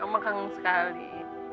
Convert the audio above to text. omah kangen sekali